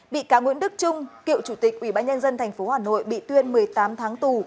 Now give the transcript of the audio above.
bị cáo nguyễn đức trung kiệu chủ tịch ủy ban nhân dân tp hà nội bị tuyên một mươi tám tháng tù